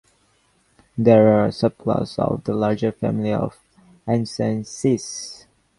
They are a subclass of the larger family of ansamycins.